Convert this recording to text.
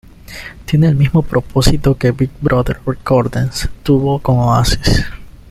Tiene el mismo propósito que Big Brother Recordings tuvo con Oasis.